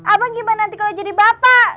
abang gimana nanti kalau jadi bapak